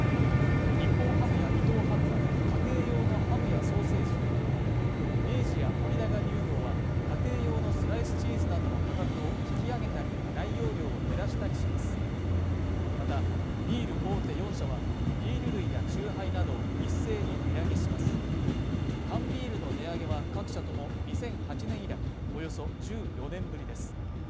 日本ハムや伊藤ハムは家庭用のハムやソーセージを明治や森永乳業は家庭用のスライスチーズなどの価格を引き上げたり内容量を減らしたりしますまたビール大手４社はビール類やチューハイなどを一斉に値上げします缶ビールの値上げは各社とも２００８年以来およそ１４年ぶりです